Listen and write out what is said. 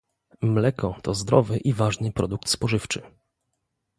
Mleko to zdrowy i ważny produkt spożywczy